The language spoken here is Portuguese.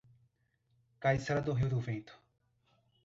Caiçara do Rio do Vento